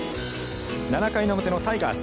７回の表のタイガース。